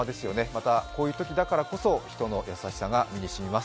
また、こういうときだからこそ人の優しさが身に染みます。